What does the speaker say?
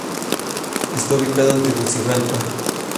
Está ubicado en Tegucigalpa.